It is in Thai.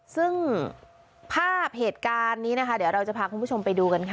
ซึ่งภาพเหตุการณ์นี้นะคะเดี๋ยวเราจะพาคุณผู้ชมไปดูกันค่ะ